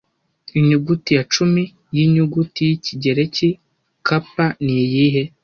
Inyuguti ya cumi yinyuguti yikigereki Kappa niyihe?